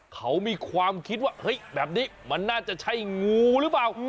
เขามีความคิดว่าแบบนี้มันน่าจะใช้หงูรึเปล่า